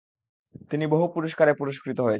তিনি বহু পুরস্কারে পুরস্কৃত হয়েছেন।